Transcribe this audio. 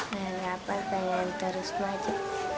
pengen apa pengen terus maju